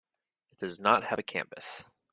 It does not have a campus.